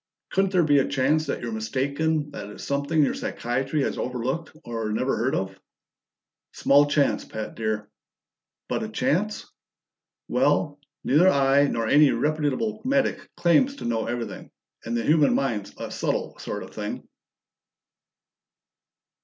Couldn't there be a chance that you're mistaken that it's something your psychiatry has overlooked or never heard of?" "Small chance, Pat dear." "But a chance?" "Well, neither I nor any reputable medic claims to know everything, and the human mind's a subtle sort of thing."